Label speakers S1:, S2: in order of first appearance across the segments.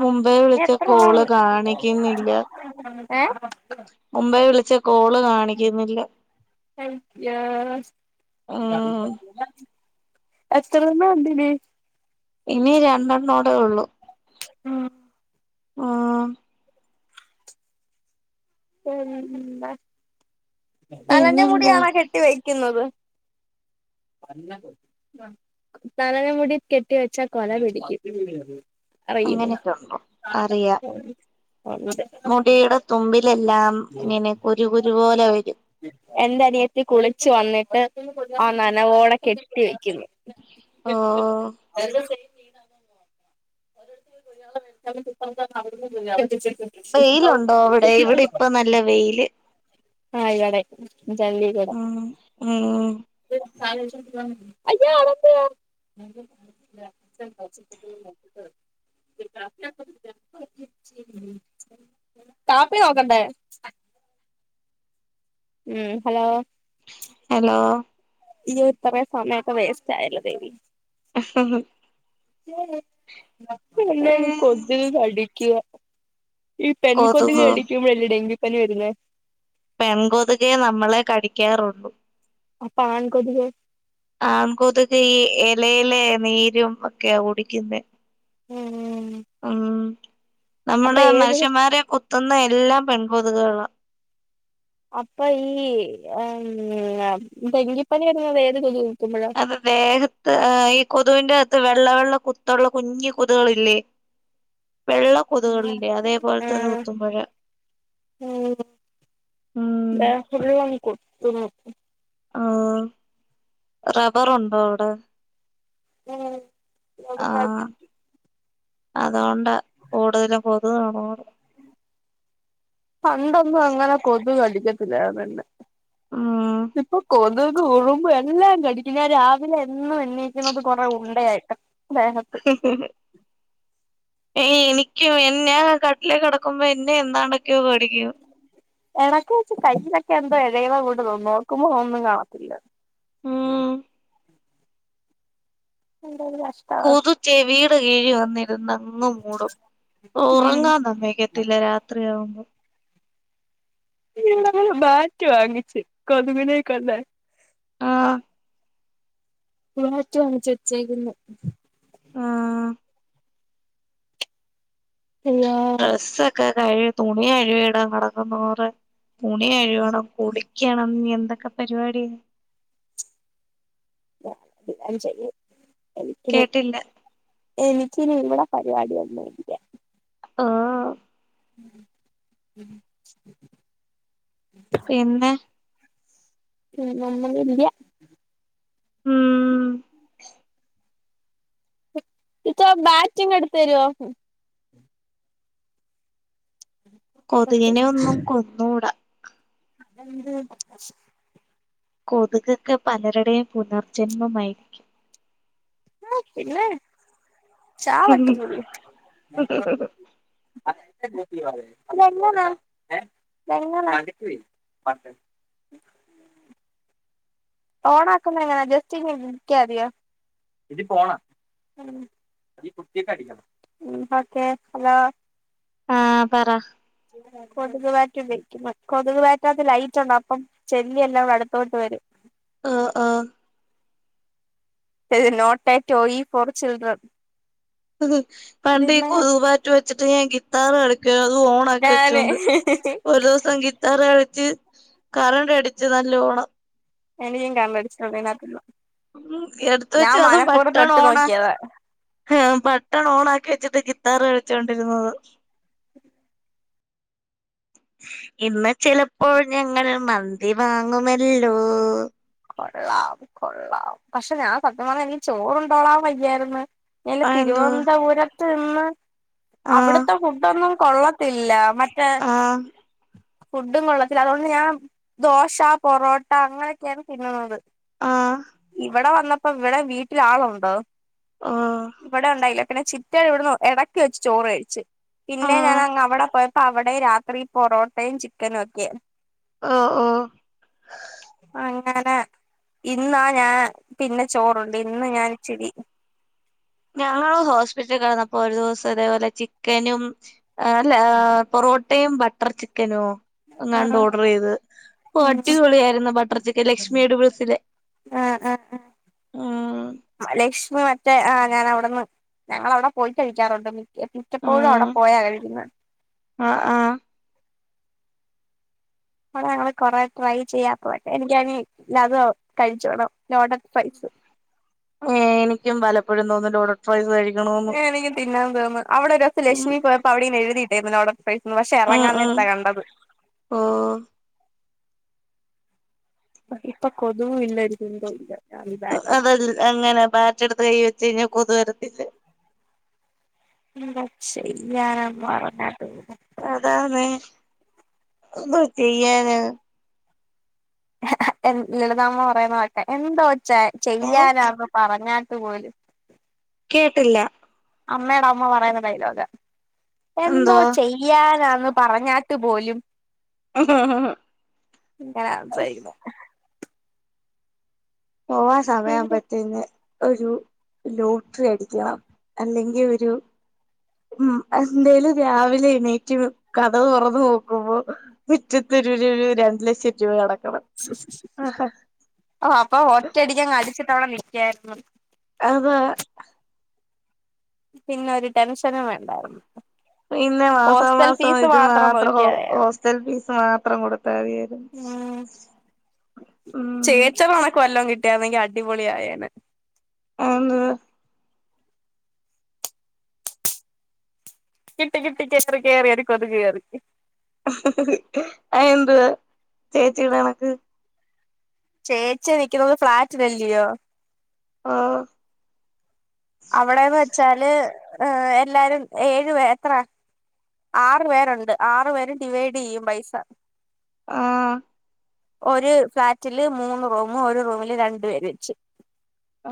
S1: മുമ്പേ വിളിച്ച കോള്
S2: എത്രണ്ണണ്ട്
S1: കാണിക്കുന്നില്ല മുമ്പേ വിളിച്ച കോള് കാണിക്കുന്നില്ല
S2: അക്ക
S1: ഉം
S2: [unintelligible] എത്രണ്ണം ഉണ്ടിനി?
S1: ഇനി രണ്ടെണ്ണോടെ ഒള്ളൂ
S2: ഉം
S1: ആഹ്
S2: പിന്ന നനഞ്ഞ
S1: പിന്നെന്തുവാ
S2: മുടിയാണാ കെട്ടി വെക്കുന്നത് അല്ല കൊ നനഞ്ഞ മുടി കെട്ടി വെച്ചാ കൊല പിടിക്കും അറിയുമോ
S1: അങ്ങനെയൊക്കെ ഉണ്ടോ അറിയാം മുടിയുടെ തുമ്പിലെല്ലാം ഇങ്ങനെ കുരു കുരു പോലെ വരും
S2: എന്റെ അനിയത്തി കുളിച്ചു വന്നിട്ട് ആ നനവോടെ കെട്ടി വെക്കുന്നു
S1: ഓഹ്
S2: അതിന്റെ സെയിം [unintelligible] [inaudible]
S1: വെയിലുണ്ടോ അവിടെ ഇവിടെ ഇപ്പ നല്ല വെയില്
S2: ആഹ്കടെ ജല്ലി കടെ
S1: ഉം ഉം
S2: അയ്യോ അതെന്തുവാ
S1: [inaudible]
S2: കാപ്പി നോക്കണ്ടേ ഉം ഹലോ
S1: ഹലോ
S2: ഇയ്യോ ഇത്ര സമയൊക്കെ വേസ്റ്റ് ആയല്ലോ ദേവി
S1: [unintelligible]
S2: ഇല്ലേലും കൊതുക് കടിക്കുവ ഈ പെൺ കൊതുക് കടിക്കുമ്പോഴല്ലേ ഡെങ്കി പനി വരുന്നേ
S1: പെൺ കൊതുകേ നമ്മളെ കടിക്കാറുള്ളൂ
S2: അപ്പ ആൺ കൊതുക്
S1: ആൺ കൊതുക് ഈ ഇലയിലെ നീരും ഒക്കെയാ കുടിക്കുന്ന
S2: ഉം
S1: ഉം
S2: അപ്പൊ
S1: നമ്മുടെ
S2: ഏത്
S1: മനുഷ്യന്മാരെ കുത്തുന്ന എല്ലാം പെൺകൊതുകുകളാ
S2: അപ്പൊ ഈ ഏ മ്മ് ഡെങ്കിപ്പനി വരുന്നത് ഏത് കൊതു കുത്തുമ്പഴാ
S1: അത് ദേഹത്ത് ഈ കൊതുവിന്റെ അകത്ത് വെള്ള വെള്ള കുത്തുള്ള കുഞ്ഞ് കൊതുകളില്ലേ വെള്ള കൊതുകളില്ലേ അതേ പോലത്തത്
S2: ആഹ്
S1: കുത്തുമ്പഴാ ഉം
S2: രാത്രി വന്ന് കുത്തുന്ന്‌
S1: ആഹ് റബ്ബറുണ്ടോ അവിടെ?
S2: ഉം
S1: ആഹ് അതുകൊണ്ടാ കൂടുതലും കൊതുക് കാണും അവ്ടെ
S2: പണ്ടൊന്നും അങ്ങനെ കൊതുക് കടിക്കത്തില്ലായിരുന്ന് എന്നെ
S1: ഉം
S2: ഇപ്പൊ കൊതു കൊത്കും ഉറുമ്പും എല്ലാം കടിക്കും ഞാൻ രാവിലെ എന്നും എണീക്കുന്നത് കൊറേ ഉണ്ടയായിട്ടാ ദേഹ
S1: ഹ് ഹ് ഹ് ഏയ് എനിക്കും ഞാൻ കട്ടിലേ കെടക്കുമ്പോ എന്നെ എന്താണ്ടൊക്കെ കടിക്കും
S2: എടക്ക് വെച്ച് കയ്യിലൊക്കെ എന്തോ ഇഴയുന്ന കൂട്ട് തോന്നും നോക്കുമ്പോ ഒന്നും കാണത്തില്ല
S1: ഉം
S2: എന്തൊരു കഷ്
S1: കൊതു ചെവീടെ കീഴി വന്നിര്ന്ന് എന്നും മൂളും
S2: ഉം
S1: ഉറങ്ങാൻ സമ്മയിക്ക ത്തില്ല രാത്രിയാവുമ്പോ
S2: ഇവടെ ഞങ്ങള് ബാറ്റ് വാങ്ങിച്ച് കൊതുകിനെ കൊല്ലാൻ
S1: ആഹ്
S2: ബാറ്റ് വാങ്ങിച്ച് വെച്ചേക്ക്ന്ന്
S1: ആഹ്
S2: അയ്യോ
S1: ഡ്രസ്സൊക്കെ കഴ്കി തുണി കഴ്കിടാൻ കെടക്കുന്നു കൊറേ തുണി കഴുവണം കുളിക്കണം ഇനി എന്തൊക്കെ പരിപാടി
S2: രാവിലെ അഞ്ചണി [unintelligible]
S1: കേട്ടില്ല
S2: എനിക്കിനി ഇവിടെ പരിപാടിയല്ലേ
S1: ആഹ്
S2: [unintelligible]
S1: പിന്നെ
S2: ഇനി നമ്മളില്ല്യ
S1: ഉം
S2: ഇച്ചോ ആ ബാറ്റ് ഇങ്ങ് എട്ത്തെരൊ
S1: കൊതികിനെ ഒന്നും കൊന്നൂട
S2: അതെന്തെ?
S1: കൊതുകൊക്കെ പലരുടെയും പുനർജന്മമായിരിക്കും
S2: ആഹ് പിന്നെ ചാവട്ട് പുല്ല് ഇതെങ്ങനെ ഇതെങ്ങനെ? ഓണാക്കുന്ന എങ്ങനാ ജസ്റ്റ്‌ ഇങ്ങനെ നീക്ക്യാതിയോ ഇതിപ്പോ ഓണാ ഉം ഇതി കുത്തീട്ട് അടിക്കണം ഒക്കെ ഹലോ
S1: ആഹ് പറ
S2: കൊതുക് ബാറ്റ് ഉപയോഗിക്കുന്നത് കൊതുക് ബാറ്റിനകത്ത് ലൈറ്റുണ്ട് അപ്പം ചെല്ലി എല്ലാം കൂടെ അട്ത്തോട്ട് വരും
S1: ആഹ് ആഹ്
S2: not a toy for children
S1: പണ്ട് ഈ
S2: ഇതില്ലേ
S1: കൊതുക് ബാറ്റ് വെച്ചിട്ട് ഞാൻ ഗിത്താർ കളിക്കുവാരുന്ന് അത് ഓണ് ണാക്കി
S2: ഞാന്
S1: വെച്ചോണ്ട് ഒരു ദിവസം ഗിത്താർ കളിച്ച് കറണ്ട് അടിച്ച് നല്ലോണം
S2: എനിയും കമെന്റ്സ് [unintelligible]
S1: ഉ എടുത്ത വെച്ച അതും ബട്ടൺ
S2: തൊട്ട്
S1: ഓണ
S2: നോക്കിയതാ
S1: ആഹ് ബട്ടൺ ഓൺ ആക്കി വെച്ചിട്ട് ഗിത്താർ കളിച്ചോണ്ടിരുന്നത് ഇന്ന് ചിലപ്പോൾ ഞങ്ങൾ മന്തി വാങ്ങുമല്ലോ
S2: കൊള്ളാം കൊള്ളാം പക്ഷെ ഞാൻ സത്യം പറഞ്ഞാൽ എനിക്ക് ചോറണ്ടോളാൻ വയ്യാരുന്ന് ഇല്ലേ
S1: ആ എന്തോ
S2: തിരുവന്തപുരത്ത് നിന്ന്
S1: ആ
S2: അവിടുത്തെ ഫുഡൊന്നും കൊള്ളത്തില്ല മ
S1: ആ
S2: [unintelligible] ഫുഡും കൊള്ളത്തില്ല അതുകൊണ്ട് ഞാൻ ദോശ പൊറോട്ട അങ്ങനെയൊക്കെയാണ് തിന്നുന്നത്
S1: ആ
S2: ഇവിടെ വന്നപ്പോ ഇവിടെ വീട്ടില ആളുണ്ടോ
S1: ഓ
S2: ഇവിടെണ്ടായില്ല പിന്നെ ചിറ്റ വിടുന്ന് ഇടക്ക് വെച്ച് ചോറ് കഴിച്ചു
S1: ആ
S2: പിന്നെ ഞാനങ്ങവിടെ പോയപ്പോ അവിടെ രാത്രി പൊറോട്ടയും ചിക്കനും ഒക്കെ
S1: ഓഹ് ഓഹ്
S2: [unintelligible] ഞാന ഇന്നാ ഞാൻ പിന്നെ ചോറുണ്ട് ഇന്ന് ഞാൻ ഇച്ചിരി
S1: ഞങ്ങള് ഹോസ്പിറ്റല് കെടന്നപ്പോ ഒരു ദിവസം ഇതേപോലെ ചിക്കനും അല്ലാ പൊറോട്ടയും ബട്ടർ ചിക്കനും
S2: ആ
S1: എങ്ങാണ്ട് ഓർഡർ ചെയ്ത് ഓ
S2: ഉം
S1: അടിപൊളിയായിരുന്നു ബട്ടർ ചിക്കൻ ലക്ഷ്മിയ എടുബിൾസിലെ
S2: [unintelligible] ലക്ഷ്മി മറ്റേ ആ ഞാൻ അവിടുന്ന് ഞങ്ങള അവിടെ പോയി കഴിക്കാറുണ്ട് മിക്കപ്പോഴും അവിടെ പോയാ കഴിക്കുന്നേ
S1: ആഹ്
S2: അടെ ഞങ്ങള് കൊറെ ട്രൈ ചെയ്യാത്തതൊക്കെ എനിക്കണേ ലത് കഴിച്ചോണം ലോഡഡ് ഫ്രൈസ്
S1: ഏഹ് എനിക്കും പലപ്പഴും തോന്നും ലോഡഡ് ഫ്രൈസ് കഴിക്കണോന്ന്
S2: എനിക്ക് തിന്നാൻ തോന്നന്ന് അവിടെ ഒരുസം
S1: ഉം
S2: ലക്ഷ്മി പോയപ്പോ അവിടിങ്ങനെ എഴുതിയിട്ടേക്കുന്നു ലോഡഡ് ഫ്രൈസെന്ന് പക്ഷെ എറങ്ങാൻ നേരത്താ കണ്ടത്
S1: ഓഹ്
S2: ഇപ്പക്കൊതുവുല്ല ഒരു കുന്തോല്ല
S1: അതല്ലെ അങ്ങന ബാറ്റെടുത്ത് കൈ വെച്ച് കഴിഞ്ഞാ കൊതു വരത്തില്ല
S2: എന്താ ചെയ്യാ [unintelligible]
S1: അതാന്നെ എന്തോ ചെയ്യാന
S2: ലളിതാമ്മ പറയുന്നണക്കെ എന്തോ ച്ചാ
S1: ഏ
S2: ചെയ്യാനാ പറഞ്ഞാട്ട് പോലും
S1: കേട്ടില്ല
S2: അമ്മേടെ അമ്മ പറയുന്ന ഡൈലോഗ എന്തോ ചെയ് യ്യാനാന്ന് പറഞ്ഞാട്ട് പോലും
S1: [unintelligible]
S2: ങ്ങനാ സംസാരിക്കുന്നെ
S1: ഓഹ് ആ സമയാവുമ്പോ പിന്നെ ഒരു ലോട്ടറി അടിക്കണം അല്ലെങ്കി ഒരു ഉം എന്തേലും രാവിലെ എണീറ്റ് കതക് തൊറന്ന് നോക്കുമ്പോ മിറ്റത്തൊരു ഒരുരു രണ്ട് ലക്ഷം രൂപ കിടക്കണം
S2: ഓഹ് അപ്പൊ ഒറ്റടിക്കങ്ങടിച്ചിട്ടവടെ നിക്കാരുന്നു
S1: അതാ
S2: പിന്നൊരു ടെൻഷനും വേ
S1: [inaudible] പിന്നെ മാസമാസം
S2: ഫീസ്
S1: ഇത് മാത്രം ഹോ
S2: നോക്കിയാമതിയാ
S1: ഹോസ്റ്റൽ ഫീസ് മാത്രം കൊടുത്താതിയായിരുന്നു [inaudible]
S2: ചേച്ചിടണക്ക് വല്ലം കിട്ടിയന്നെങ്കി അടിപൊളിയായേനെ
S1: ആന്ന്
S2: കിട്ടി കിട്ടി കേറി കേറി ഒരു കൊതുക് കേറി
S1: അയെന്തുവാ ചേച്ചിടകണക്ക്
S2: ചേച്ചി നിക്കുന്നത് ഫ്ളാറ്റിലല്ലിയോ
S1: ആഹ്
S2: അവിടെന്ന് വെച്ചാല് ഏഹ് എല്ലാരും ഏഴു പേ എത്ര ആറു പേരുണ്ട് ആറു പേരും ഡിവൈഡ് ചെയ്യും പൈസ
S1: ആഹ്
S2: ഒരു ഫ്ളാറ്റില് മൂന്ന് റൂമ് ഒരു റൂമില് രണ്ടു പേര് വെച്ച്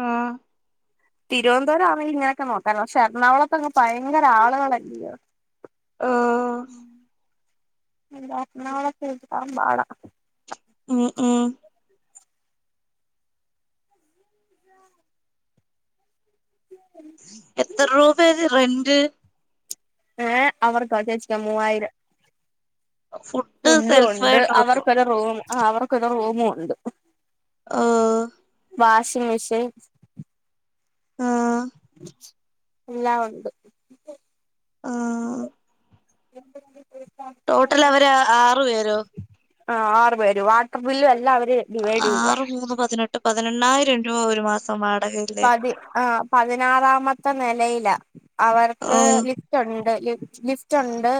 S1: ആഹ്
S2: തിരോന്തോരാണെങ്കി ഇങ്ങനൊക്കെ നോക്കാർന്നു പക്ഷെ എറണാകുളത്തൊക്കെ ഭയങ്കര ആളുകളല്ലയോ
S1: ആഹ്
S2: എന്താ എറണാകുളത്ത് കിട്ടാൻ പാട
S1: ഉം ഉം
S2: ഉ [inaudible]
S1: എത്ര രൂപയ റെന്റ്
S2: ഏഹ് അവർക്കൊ ചേച്ചിക്കൊ മൂവായിരം
S1: ഫുഡ്
S2: ഫുഡ്ഡും ഒണ്ട്
S1: സെൽഫായിട്ട് വെക്കും
S2: അവർക്കൊര് റൂം അവർക്കൊരു റൂമൂണ്ട്
S1: ഓ
S2: വാഷിംഗ് മെഷീൻ
S1: ആഹ്
S2: എല്ലാവൊണ്ട്
S1: ആഹ്
S2: എന്തെങ്കിലും കേക്കാമോ
S1: ടോട്ടൽ അവര് ആറു പേരോ
S2: ആഹ് ആറ് പേര് വാട്ടർ ബില്ലും എല്ലാം അവര് ഡിവൈഡ് ചെയ്യുവാ
S1: ആറ് മൂന്ന് പതിനെട്ട് പതിനെണ്ണായിരം രൂപ ഒരു മാസവാടാങ്ങാക്ക്‌
S2: പതി ആ പതിനാറാമത്തെ നിലയില അവർക്ക്
S1: ഉം
S2: ലിഫ്റ്റ് ഉണ്ട് ലിഫ്റ്റ് ഉണ്ട്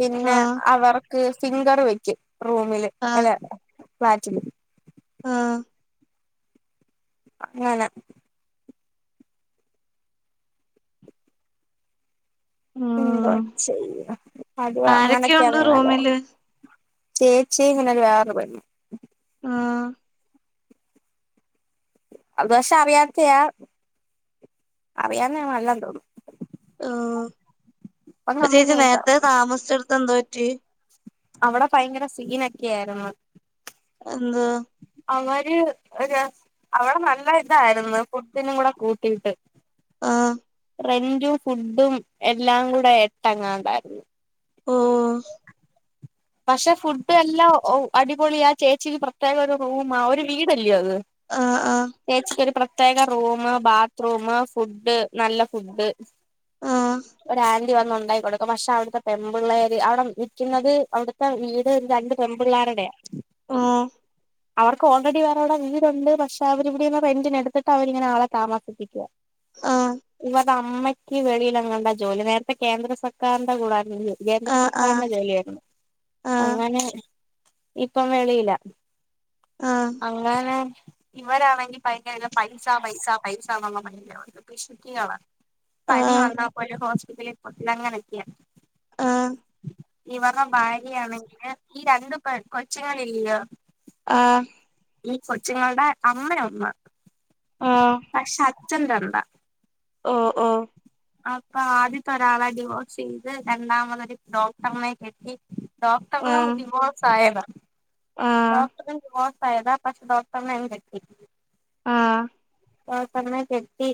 S2: പിന്നെ
S1: ആഹ്
S2: അവർക്ക് ഫിംഗർ വെക്ക് റൂമില്
S1: ആഹ്
S2: അല്ല ഫ്ലാറ്റില്
S1: ആഹ്
S2: അങ്ങനെ എന്തോ
S1: ഉം
S2: ചെയ്യും അത് അങ്ങനൊക്കെയ
S1: ആരൊക്കെയുണ്ട് റൂമില്
S2: ചേച്ചി ഇങ്ങനെരു വേറെ പോയി
S1: ആഹ്
S2: അത് വക്ഷെ അറിയാത്തെയാ അറിയാന്നെ നല്ല തോന്നുന്നു
S1: ആഹ്
S2: അപ്പൊ
S1: ഇപ്പൊ
S2: കമ്പനി
S1: ചേച്ചി
S2: ആയിട്ടാ
S1: നേരത്തെ താമസിച്ചെടുത്ത് എന്തോ പറ്റി
S2: അവിടെ ഭയങ്കര സീൻക്കെയായിരുന്നു
S1: എന്ത്‌
S2: അവര് അവിടെ നല്ല ഇതായിരുന്നു ഫുഡിനും കൂടെ കൂട്ടിയിട്ട്
S1: ആഹ്
S2: റെന്റും ഫുഡും എല്ലാം കൂടെ എട്ടങ്ങാതായിരുന്നു
S1: ഓഹ്
S2: പക്ഷെ ഫുഡ് എല്ലാം അടിപൊളി ആ ചേച്ചിക്ക് പ്രത്യേക ഒരു റൂം ആഹ് ഒരു വീടല്ലയോ അത്
S1: ആഹ് ആഹ്
S2: ചേച്ചിക്കരു പ്രത്യേക റൂം ബാത്റൂം ഫുഡ് നല്ല ഫുഡ്
S1: ആ
S2: ഒര ആന്റി വന്ന് ഉണ്ടാക്കികൊടുക്കും പക്ഷെ അവ്ട്ത്തെ പെൺമ്പിള്ളേര് അവടെ നിക്കുന്നത് അവ്ട് പ്പ ഈടെ രണ്ട് പെൺപിള്ളേരുടെ
S1: ഓ
S2: അവർക്ക് ഓൾറെഡി വേറെ വടെ വീടുണ്ട് പക്ഷ അവരിവിടെ റെന്റിന് എടുത്തിട്ട് അവരിങ്ങനെ ആളെ താമസിപ്പിക്കാ.
S1: ആ
S2: ഇവർ അമ്മയ്ക്ക് വെളീലങ്ങാണ്ടാ ജോലി നേര്ത്തെ കേന്ദ്ര സർക്കാറ്ന്റെ കൂടായിര്ന്നു ജോ കേന്ദ്ര
S1: ആ ആ
S2: സർക്കാർന്റെ ജോലിയായിരുന്നു.
S1: ആ
S2: അങ്ങനെ ഇപ്പം വെളീലാ
S1: ആ
S2: അങ്ങനെ ഇവരാണെങ്കി ഭയങ്കര പൈസാ പൈസാ പൈസാ [unintelligible] പിഷുക്കികളാ
S1: ആ
S2: പനി വന്നാ പോലു ഹോസ്പിറ്റലിൽ [unintelligible] ങ്ങനക്യാ.
S1: ആ
S2: ഇവർടെ ബാ ആണെങ്കില് ഈ രണ്ട് കൊ കൊച്ചുങ്ങളില്ലിയോ
S1: ആഹ്.
S2: ഈ കൊച്ചുങ്ങൾടെ അമ്മേ ഒന്നാ
S1: ആ
S2: പക്ഷെ അച്ഛൻ രണ്ടാ.
S1: ഓഹ് ഓഹ്
S2: അപ്പൊ ആദ്യത്തെ ഒരാളെ ഡിവോഴ്സ് ചെയ്ത് രണ്ടാമതൊരു ഡോക്ടർനെ കെട്ടി
S1: ആ
S2: ഡോക്ടർനും ഡിവോഴ്സ് ആയതാ
S1: ആ
S2: ഡോക്ടറും ഡിവോഴ്സ് ആയതാ പക്ഷ ഡോ ട്ടർനേ അങ്ങ്കെട്ടി.
S1: ആഹ്.
S2: ഡോക്ടർനെ കെട്ടി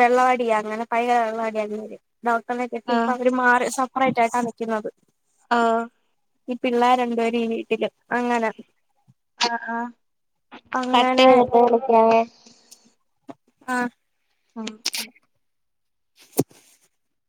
S2: വെള്ളവടിയാ അങ്ങനെ പൈ [unintelligible] ഡോക്ടർനെക്കെട്ടി
S1: ആ
S2: ഇപ്പ അവര് മാറി സപ്പറൈറ്റ് ആയിട്ടാ നിക്ക്ന്നത്.
S1: ആഹ്.
S2: ഈ പിള്ളേര് രണ്ടു പേരും ഈ വീട്ടില് അങ്ങനെ.
S1: ആഹ് ആഹ്
S2: അങ്ങനെ
S1: കട്ടയ്ത്ട്ട് വിളിക്കാവെ.
S2: ആഹ്.
S1: ആഹ്
S2: [inaudible]